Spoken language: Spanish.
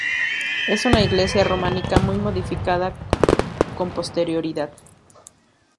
Es una iglesia románica muy modificada con posterioridad.